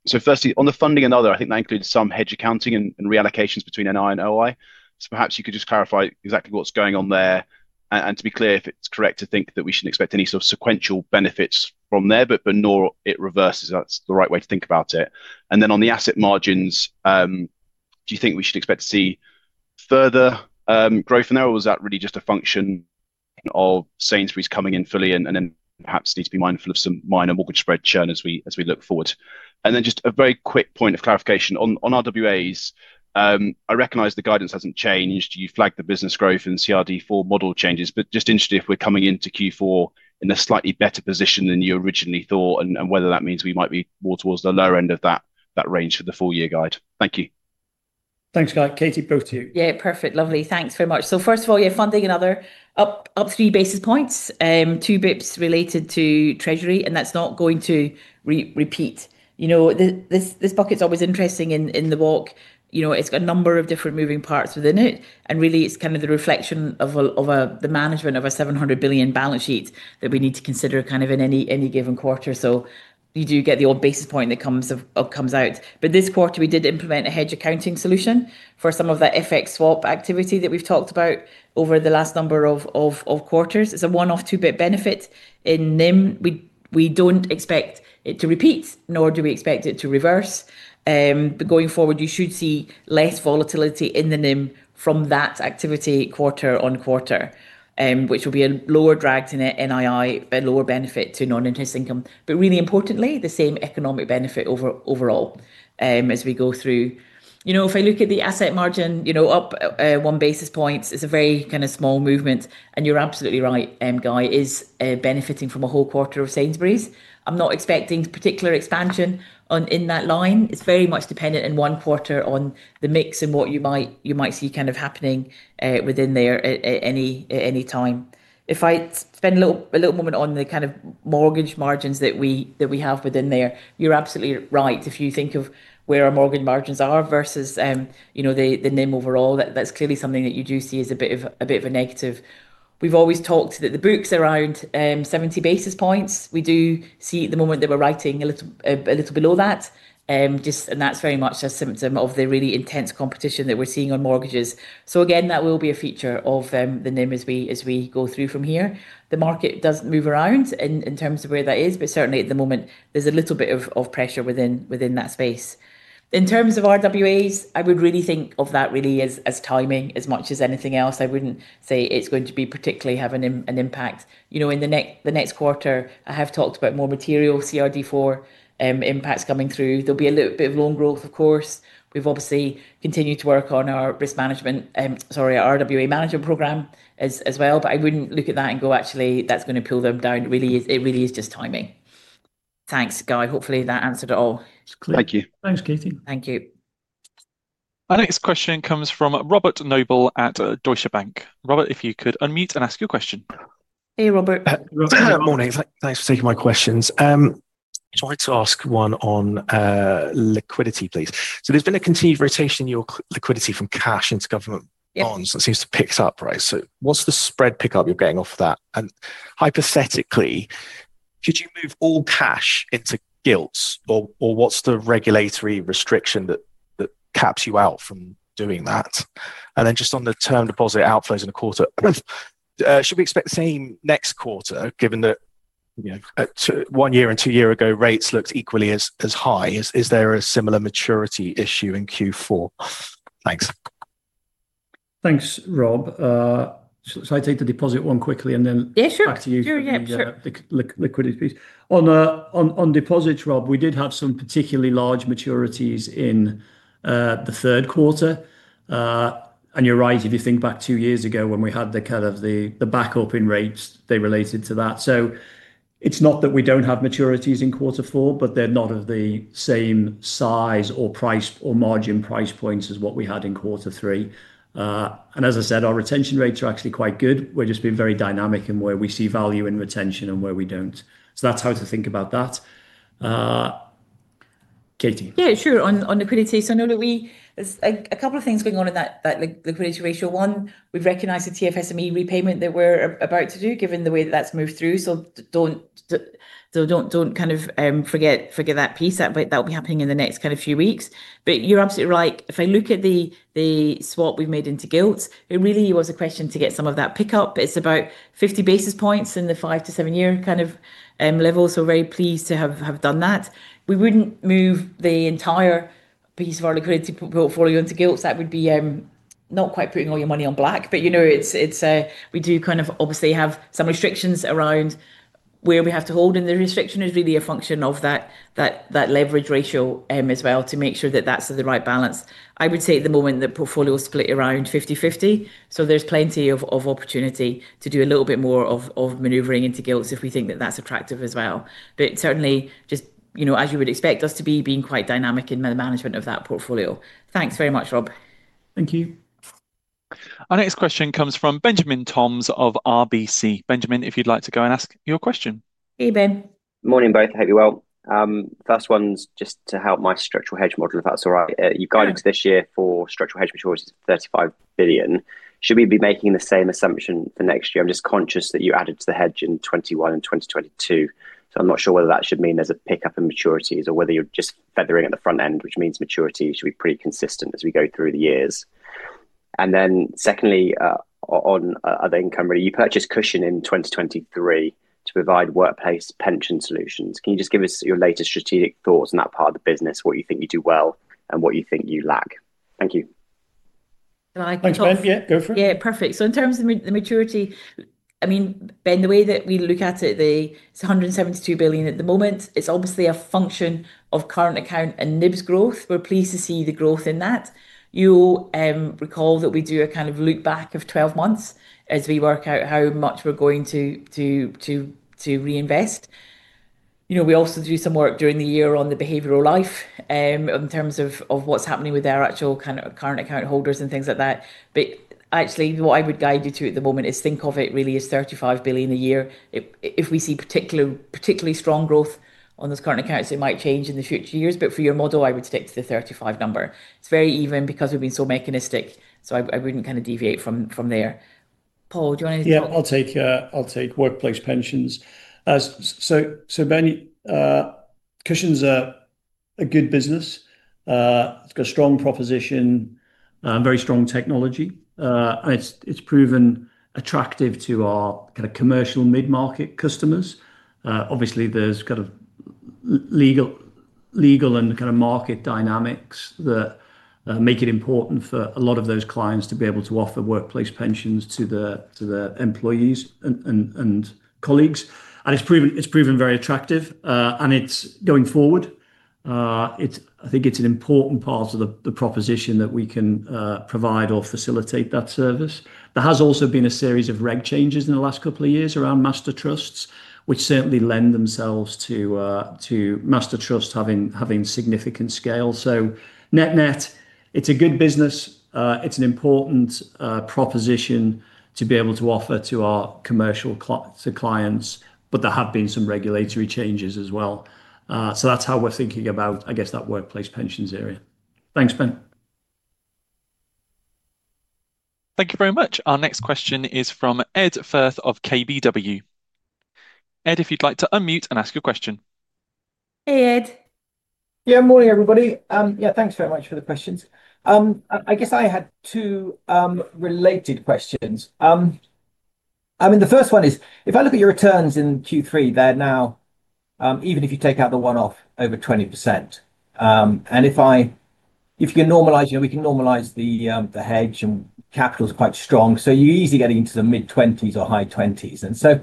Firstly, on the funding another, I think that includes some hedge accounting and reallocations between NI and OI. Perhaps you could just clarify exactly what's going on there. To be clear, is it correct to think that we shouldn't expect any sort of sequential benefits from there, nor it reverses? That's the right way to think about it. On the asset margins, do you think we should expect to see further growth in there, or was that really just a function of Sainsbury’s coming in fully and perhaps need to be mindful of some minor mortgage spread churn as we look forward? A very quick point of clarification. On RWAs, I recognize the guidance hasn't changed. You flagged the business growth and CRD4 model changes, but just interested if we're coming into Q4 in a slightly better position than you originally thought and whether that means we might be more towards the lower end of that range for the full year guide. Thank you. Thanks, Guy. Katie, over to you. Yeah, perfect. Lovely. Thanks very much. First of all, your funding, another up three basis points, two bps related to Treasury, and that's not going to repeat. This bucket's always interesting in the walk. It's got a number of different moving parts within it, and really, it's kind of the reflection of the management of a 700 billion balance sheet that we need to consider in any given quarter. You do get the odd basis point that comes out. This quarter, we did implement a hedge accounting solution for some of that FX swap activity that we've talked about over the last number of quarters. It's a one-off two bps benefit in NIM. We don't expect it to repeat, nor do we expect it to reverse. Going forward, you should see less volatility in the NIM from that activity quarter on quarter, which will be a lower drag to NII, a lower benefit to non-interest income. Really importantly, the same economic benefit overall as we go through. If I look at the asset margin, up one basis point, it's a very small movement. You're absolutely right, Guy, it's benefiting from a whole quarter of Sainsbury’s. I'm not expecting particular expansion in that line. It's very much dependent in one quarter on the mix and what you might see happening within there at any time. If I spend a little moment on the mortgage margins that we have within there, you're absolutely right. If you think of where our mortgage margins are versus the NIM overall, that's clearly something that you do see as a bit of a negative. We've always talked that the books are around 70 basis points. We do see at the moment that we're writing a little below that. That's very much a symptom of the really intense competition that we're seeing on mortgages. That will be a feature of the NIM as we go through from here. The market does move around in terms of where that is, but certainly at the moment, there's a little bit of pressure within that space. In terms of RWAs, I would really think of that as timing as much as anything else. I wouldn't say it's going to be particularly have an impact. In the next quarter, I have talked about more material CRD4 impacts coming through. There'll be a little bit of loan growth, of course. We've obviously continued to work on our risk management, sorry, our RWA management program as well, but I wouldn't look at that and go, actually, that's going to pull them down. It really is just timing. Thanks, Guy. Hopefully, that answered it all. Thank you. Thanks, Katie. Thank you. Our next question comes from Robert Noble at Deutsche Bank. Robert, if you could unmute and ask your question. Hey, Robert. Robert. Morning. Thanks for taking my questions. I just wanted to ask one on liquidity, please. There's been a continued rotation in your liquidity from cash into government bonds. That seems to pick up, right? What's the spread pickup you're getting off of that? Hypothetically, could you move all cash into gilts, or what's the regulatory restriction that caps you out from doing that? On the term deposit outflows in a quarter, should we expect the same next quarter, given that, you know, one year and two years ago, rates looked equally as high? Is there a similar maturity issue in Q4? Thanks. Thanks, Rob. I'll take the deposit one quickly and then back to you. Yeah, sure. On deposits, Rob, we did have some particularly large maturities in the third quarter. You're right, if you think back two years ago when we had the kind of the back-open rates, they related to that. It's not that we don't have maturities in quarter four, but they're not of the same size or price or margin price points as what we had in quarter three. As I said, our retention rates are actually quite good. We're just being very dynamic in where we see value in retention and where we don't. That's how to think about that. Katie. Yeah, sure. On liquidity, I know that we have a couple of things going on in that liquidity ratio. One, we've recognized the TFSME repayment that we're about to do, given the way that that's moved through. Do not forget that piece. That'll be happening in the next few weeks. You're absolutely right. If I look at the swap we've made into gilts, it really was a question to get some of that pickup. It's about 50 basis points in the five to seven-year level. We're very pleased to have done that. We wouldn't move the entire piece of our liquidity portfolio into gilts. That would be not quite putting all your money on black. We do obviously have some restrictions around where we have to hold. The restriction is really a function of that leverage ratio as well to make sure that that's the right balance. I would say at the moment the portfolio is split around 50-50. There's plenty of opportunity to do a little bit more of maneuvering into gilts if we think that that's attractive as well. Certainly, just as you would expect us to be, being quite dynamic in the management of that portfolio. Thanks very much, Rob. Thank you. Our next question comes from Benjamin Toms of RBC. Benjamin, if you'd like to go and ask your question. Hey, Ben. Morning, both. I hope you're well. First one's just to help my structural hedge model, if that's all right. You guided this year for structural hedge maturities of 35 billion. Should we be making the same assumption for next year? I'm just conscious that you added to the hedge in 2021 and 2022. I'm not sure whether that should mean there's a pickup in maturities or whether you're just feathering at the front end, which means maturities should be pretty consistent as we go through the years. Secondly, on other income, you purchased Cushion in 2023 to provide workplace pension solutions. Can you just give us your latest strategic thoughts on that part of the business, what you think you do well, and what you think you lack? Thank you. Yeah, perfect. In terms of the maturity, Ben, the way that we look at it, it's 172 billion at the moment. It's obviously a function of current account and NIBS growth. We're pleased to see the growth in that. You'll recall that we do a kind of loop back of 12 months as we work out how much we're going to reinvest. We also do some work during the year on the behavioral life in terms of what's happening with their actual kind of current account holders and things like that. What I would guide you to at the moment is think of it really as 35 billion a year. If we see particularly strong growth on those current accounts, it might change in the future years. For your model, I would stick to the 35 billion number. It's very even because we've been so mechanistic. I wouldn't kind of deviate from there. Paul, do you want to? Yeah, I'll take workplace pensions. Ben, Cushion's a good business. It's got a strong proposition and very strong technology. It's proven attractive to our kind of commercial mid-market customers. Obviously, there are legal and market dynamics that make it important for a lot of those clients to be able to offer workplace pensions to their employees and colleagues. It's proven very attractive, and it's going forward. I think it's an important part of the proposition that we can provide or facilitate that service. There has also been a series of regulatory changes in the last couple of years around master trusts, which certainly lend themselves to master trusts having significant scale. NetNet, it's a good business. It's an important proposition to be able to offer to our commercial clients, but there have been some regulatory changes as well. That's how we're thinking about, I guess, that workplace pensions area. Thanks, Ben. Thank you very much. Our next question is from Ed Firth of KBW. Ed, if you'd like to unmute and ask your question. Hey, Ed. Yeah, morning, everybody. Thanks very much for the questions. I guess I had two related questions. The first one is, if I look at your returns in Q3, they're now, even if you take out the one-off, over 20%. If I can normalize, you know, we can normalize the hedge and capital is quite strong. You're easily getting into the mid-20s or high 20s. I'm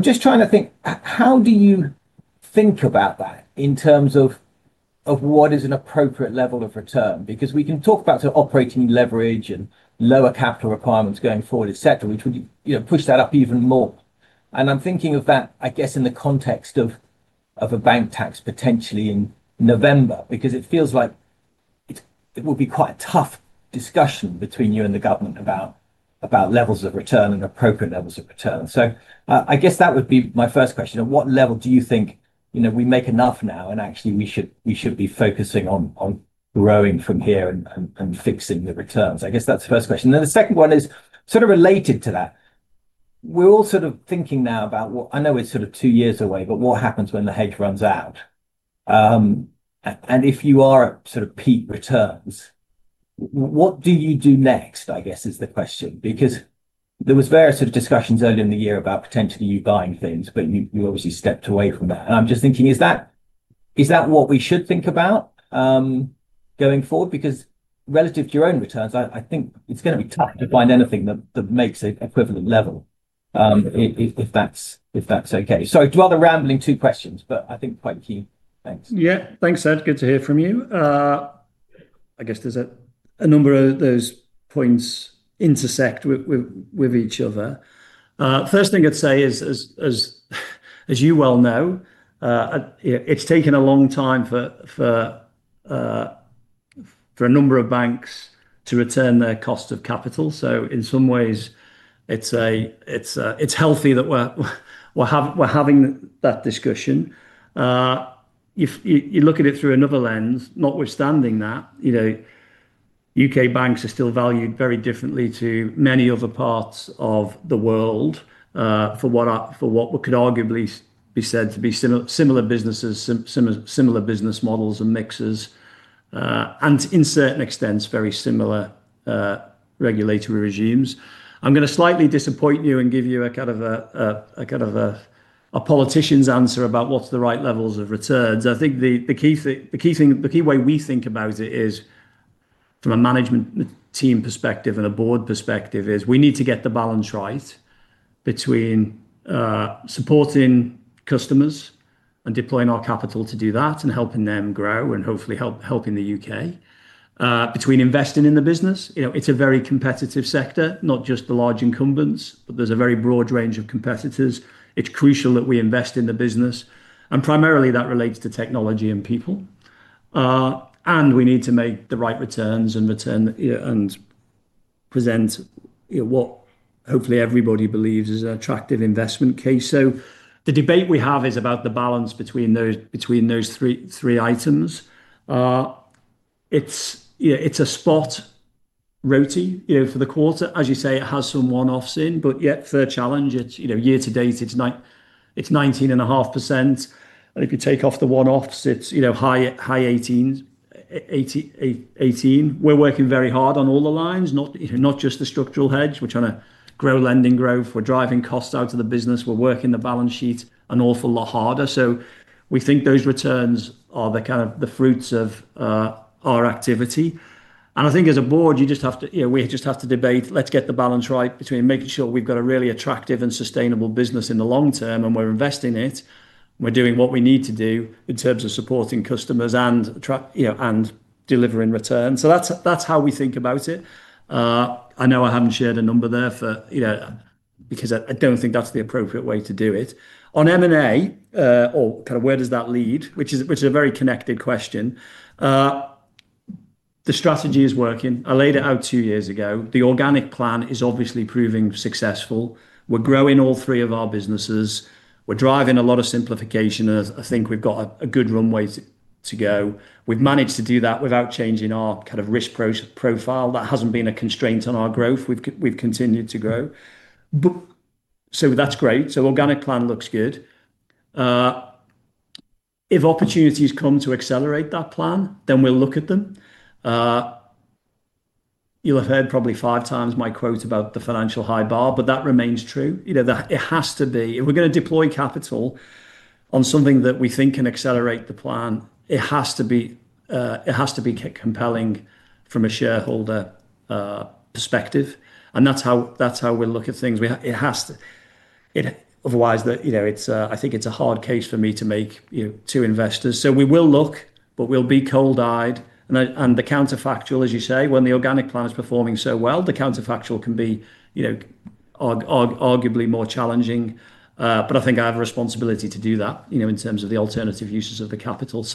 just trying to think, how do you think about that in terms of what is an appropriate level of return? We can talk about operating leverage and lower capital requirements going forward, etc., which would push that up even more. I'm thinking of that, I guess, in the context of a bank tax potentially in November, because it feels like it would be quite a tough discussion between you and the government about levels of return and appropriate levels of return. That would be my first question. At what level do you think we make enough now and actually we should be focusing on growing from here and fixing the returns? That's the first question. The second one is sort of related to that. We're all sort of thinking now about what I know is sort of two years away, but what happens when the hedge runs out? If you are at sort of peak returns, what do you do next, I guess, is the question? There were various discussions earlier in the year about potentially you buying things, but you obviously stepped away from that. I'm just thinking, is that what we should think about going forward? Relative to your own returns, I think it's going to be tough to find anything that makes an equivalent level, if that's okay. Sorry, two rambling questions, but I think quite key. Thanks. Yeah, thanks, Ed. Good to hear from you. I guess there's a number of those points intersect with each other. First thing I'd say is, as you well know, it's taken a long time for a number of banks to return their cost of capital. In some ways, it's healthy that we're having that discussion. You look at it through another lens, notwithstanding that, you know, UK banks are still valued very differently to many other parts of the world for what could arguably be said to be similar businesses, similar business models and mixes, and in certain extents, very similar regulatory regimes. I'm going to slightly disappoint you and give you a kind of a politician's answer about what's the right levels of returns. I think the key way we think about it is, from a management team perspective and a board perspective, we need to get the balance right between supporting customers and deploying our capital to do that and helping them grow and hopefully helping the UK, between investing in the business. It's a very competitive sector, not just the large incumbents, but there's a very broad range of competitors. It's crucial that we invest in the business. Primarily, that relates to technology and people. We need to make the right returns and present what hopefully everybody believes is an attractive investment case. The debate we have is about the balance between those three items. It's a spot royalty for the quarter. As you say, it has some one-offs in, but yet third challenge, it's year to date, it's 19.5%. If you take off the one-offs, it's high 18%. We're working very hard on all the lines, not just the structural hedge. We're trying to grow lending growth. We're driving costs out of the business. We're working the balance sheet an awful lot harder. We think those returns are the kind of the fruits of our activity. I think as a board, we just have to debate, let's get the balance right between making sure we've got a really attractive and sustainable business in the long term and we're investing in it, we're doing what we need to do in terms of supporting customers and delivering returns. That's how we think about it. I know I haven't shared a number there for, you know, because I don't think that's the appropriate way to do it. On M&A, or kind of where does that lead, which is a very connected question, the strategy is working. I laid it out two years ago. The organic plan is obviously proving successful. We're growing all three of our businesses. We're driving a lot of simplification. I think we've got a good runway to go. We've managed to do that without changing our kind of risk profile. That hasn't been a constraint on our growth. We've continued to grow, so that's great. The organic plan looks good. If opportunities come to accelerate that plan, then we'll look at them. You'll have heard probably five times my quote about the financial high bar, but that remains true. It has to be, if we're going to deploy capital on something that we think can accelerate the plan, it has to be compelling from a shareholder perspective. That's how we look at things. Otherwise, I think it's a hard case for me to make to investors. We will look, but we'll be cold-eyed. The counterfactual, as you say, when the organic plan is performing so well, the counterfactual can be, arguably, more challenging. I think I have a responsibility to do that in terms of the alternative uses of the capital.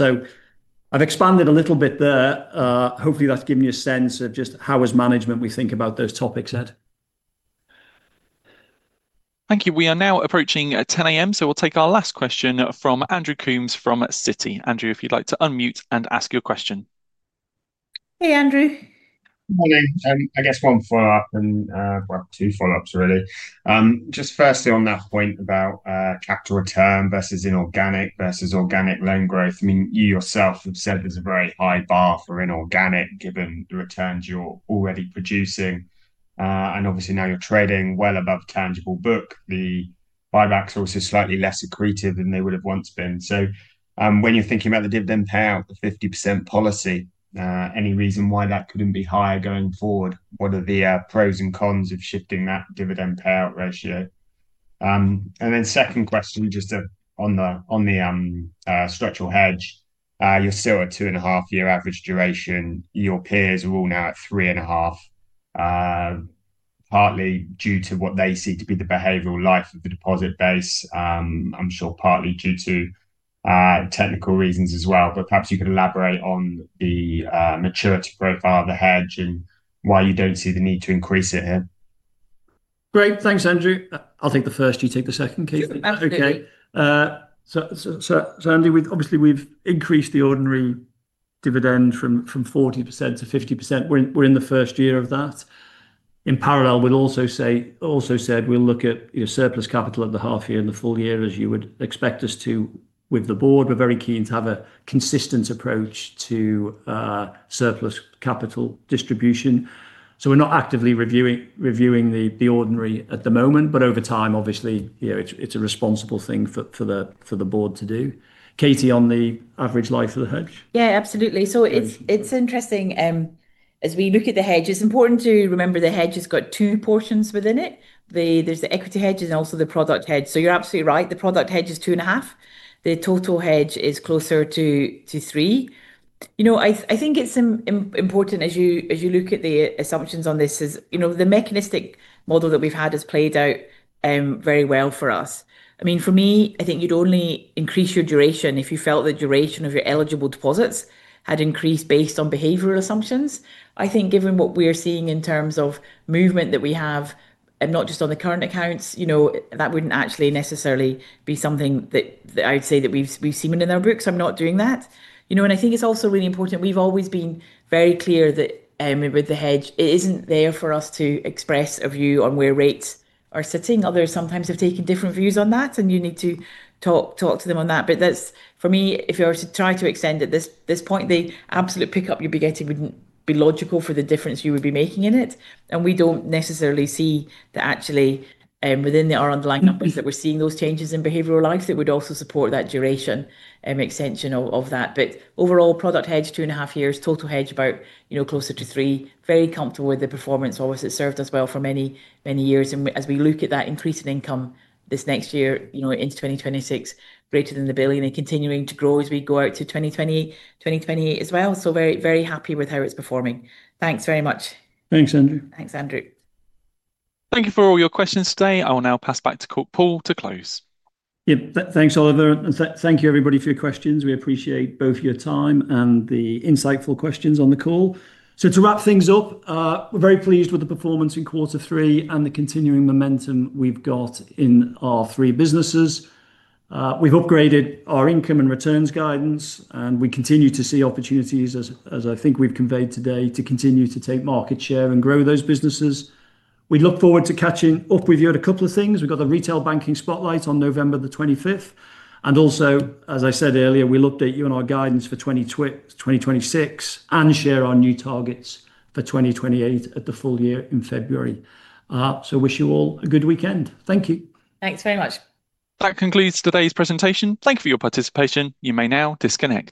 I've expanded a little bit there. Hopefully, that's given you a sense of just how as management we think about those topics, Ed. Thank you. We are now approaching 10:00 A.M., so we'll take our last question from Andrew Coombs from Citi. Andrew, if you'd like to unmute and ask your question. Hey, Andrew. Morning. I guess one follow-up and two follow-ups, really. Just firstly on that point about capital return versus inorganic versus organic loan growth. I mean, you yourself have said there's a very high bar for inorganic given the returns you're already producing. Obviously, now you're trading well above tangible book. The buyback source is slightly less secretive than they would have once been. When you're thinking about the dividend payout, the 50% policy, any reason why that couldn't be higher going forward? What are the pros and cons of shifting that dividend payout ratio? Second question, just on the structural hedge, you're still at two and a half year average duration. Your peers are all now at three and a half, partly due to what they see to be the behavioral life of the deposit base. I'm sure partly due to technical reasons as well. Perhaps you could elaborate on the maturity profile of the hedge and why you don't see the need to increase it here. Great. Thanks, Andrew. I'll take the first. You take the second, Katie. Absolutely. Obviously, we've increased the ordinary dividend from 40%-50%. We're in the first year of that. In parallel, we've also said we'll look at, you know, surplus capital at the half year and the full year, as you would expect us to with the board. We're very keen to have a consistent approach to surplus capital distribution. We're not actively reviewing the ordinary at the moment, but over time, obviously, you know, it's a responsible thing for the board to do. Katie, on the average life of the hedge? Yeah, absolutely. It's interesting. As we look at the hedge, it's important to remember the hedge has got two portions within it. There's the equity hedge and also the product hedge. You're absolutely right. The product hedge is 2.5. The total hedge is closer to 3. I think it's important, as you look at the assumptions on this, the mechanistic model that we've had has played out very well for us. For me, I think you'd only increase your duration if you felt the duration of your eligible deposits had increased based on behavioral assumptions. I think given what we're seeing in terms of movement that we have, and not just on the current accounts, that wouldn't actually necessarily be something that I'd say that we've seen in our books. I'm not doing that. I think it's also really important. We've always been very clear that with the hedge, it isn't there for us to express a view on where rates are sitting. Others sometimes have taken different views on that, and you need to talk to them on that. For me, if you were to try to extend it at this point, the absolute pickup you'd be getting wouldn't be logical for the difference you would be making in it. We don't necessarily see that actually within our underlying numbers that we're seeing those changes in behavioral life that would also support that duration and extension of that. Overall, product hedge, 2.5 years, total hedge about closer to 3, very comfortable with the performance. Obviously, it served us well for many, many years. As we look at that increase in income this next year, into 2026, greater than the billion and continuing to grow as we go out to 2028 as well. Very, very happy with how it's performing. Thanks very much. Thanks, Andrew. Thanks, Andrew. Thank you for all your questions today. I will now pass back to Paul to close. Yeah, thanks, Oliver. Thank you, everybody, for your questions. We appreciate both your time and the insightful questions on the call. To wrap things up, we're very pleased with the performance in quarter three and the continuing momentum we've got in our three businesses. We've upgraded our income and returns guidance, and we continue to see opportunities, as I think we've conveyed today, to continue to take market share and grow those businesses. We look forward to catching up with you at a couple of things. We've got the retail banking spotlight on November 25. As I said earlier, we'll update you on our guidance for 2026 and share our new targets for 2028 at the full year in February. Wish you all a good weekend. Thank you. Thanks very much. That concludes today's presentation. Thank you for your participation. You may now disconnect.